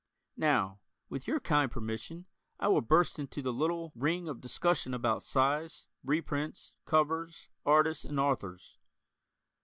Now, with your kind permission, I will burst into the little (?) ring of discussion about size, reprints, covers, artists and authors.